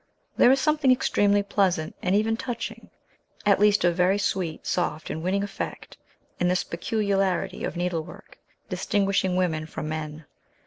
There is something extremely pleasant, and even touching, at least, of very sweet, soft, and winning effect, in this peculiarity of needlework, distinguishing women from men.